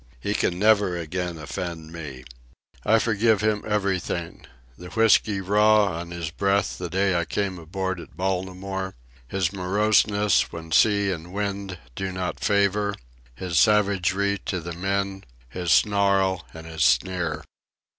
He can never again offend me. I forgive him everything—the whiskey raw on his breath the day I came aboard at Baltimore, his moroseness when sea and wind do not favour, his savagery to the men, his snarl and his sneer.